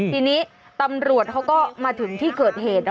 ทีนี้ตำรวจเขาก็มาถึงที่เกิดเหตุ